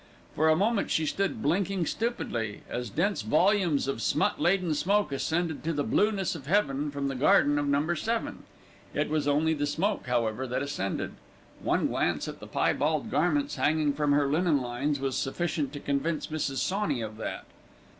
For a moment she stood blinking stupidly, as dense volumes of smut laden smoke ascended to the blueness of heaven from the garden of No. 7. It was only the smoke, however, that ascended. One glance at the piebald garments hanging from her linen lines was sufficient to convince Mrs. Sawney of that.